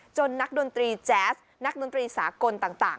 นักดนตรีแจ๊สนักดนตรีสากลต่าง